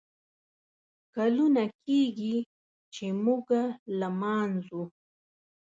کلونه کیږي ، چې موږه لمانځو